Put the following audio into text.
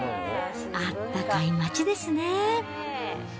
あったかい街ですね。